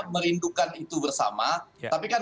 merindukan itu bersama tapi kan